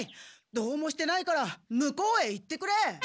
どうもしてないから向こうへ行ってくれ！